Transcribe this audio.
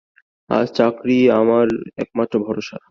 আজ চাকরিই আমার একমাত্র ভরসা।